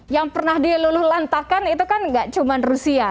yang pernah diluluh lantakan itu kan nggak cuma rusia